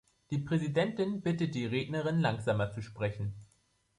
Die Präsidentin bittet die Rednerin, langsamer zu sprechen.